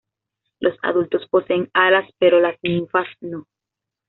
Los adultos poseen alas, pero las ninfas no.